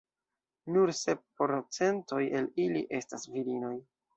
Nur sep procentoj el ili estas virinoj.